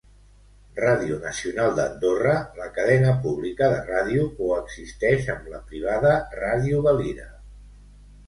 Radio Nacional d'Andorra, la cadena pública de ràdio, coexisteix amb la privada Ràdio Valira.